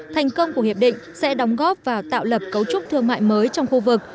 thành công của hiệp định sẽ đóng góp và tạo lập cấu trúc thương mại mới trong khu vực